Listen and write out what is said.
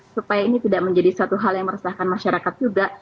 supaya ini tidak menjadi satu hal yang meresahkan masyarakat juga